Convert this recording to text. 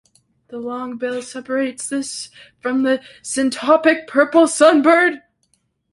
The long bill separates this from the syntopic purple sunbird.